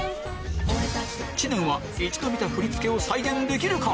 知念は一度見た振り付けを再現できるか？